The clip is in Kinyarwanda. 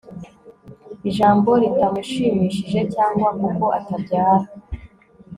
ijambo ritamushimishije, cyangwa kuko atabyara